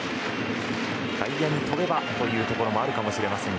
外野に飛べばというところもあるかもしれません。